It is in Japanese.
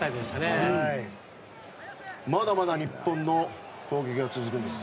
まだまだ日本の攻撃が続くんです。